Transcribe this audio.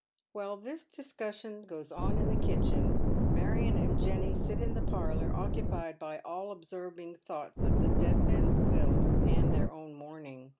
While this discussion goes on in the kitchen, Marion and Jenny eit in the parlour, occupied by all absorbing thoughts of the dead man's will and their own mourning.